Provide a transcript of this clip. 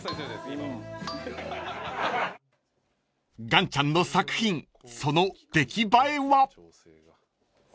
［岩ちゃんの作品その出来栄えは？］